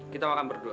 kita makan berdua